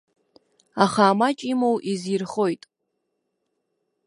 Аха амаҷ имоу изирхоит.